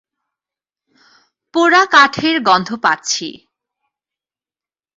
পোড়া কাঠের গন্ধ পাচ্ছি।